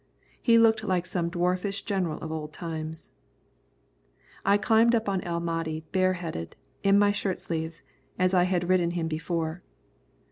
He looked like some dwarfish general of old times. I climbed up on El Mahdi bareheaded, in my shirt sleeves, as I had ridden him before.